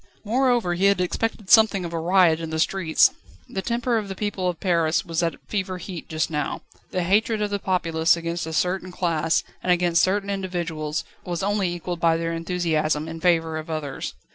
Moreover, he had expected something of a riot in the streets. The temper of the people of Paris was at fever heat just now. The hatred of the populace against a certain class, and against certain individuals, was only equalled by their enthusiasm in favour of others.